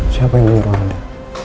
siapa yang menurut anda